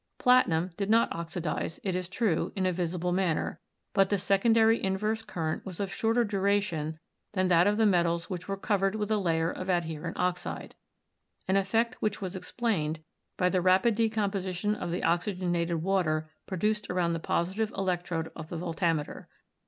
Platinum did not oxidize, it is true, in a visible manner, but the secondary inverse current was of shorter duration than that of the metals which were covered with a layer of ad herent oxide; an effect which was explained by the rapid decomposition of the oxygenated water produced around the positive electrode of the voltameter.